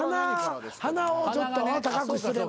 鼻をちょっと高くすれば。